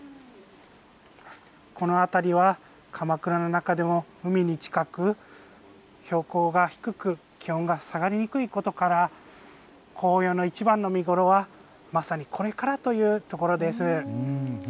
この辺りは鎌倉の中でも海に近く標高が低く気温が下がりにくいことから紅葉のいちばんの見頃はまさにこれからというところです。